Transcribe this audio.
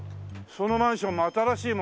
そのマンションも新しいもの。